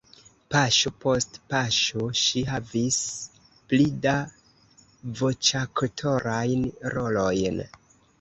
Paŝo post paŝo ŝi havis pli da voĉaktorajn rolojn.